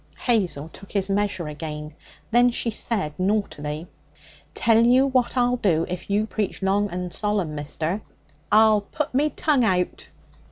Hazel took his measure again. Then she said naughtily: 'Tell you what I'll do if you preach long and solemn, mister. I'll put me tongue out!'